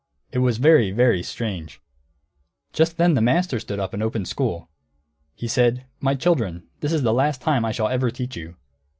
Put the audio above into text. It was very, very strange. Just then the master stood up and opened school. He said, "My children, this is the last time I shall ever teach you.